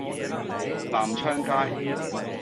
南昌街